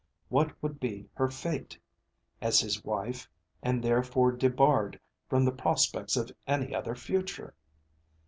What would be her fate, as his wife and therefore debarred from the prospects of any other future?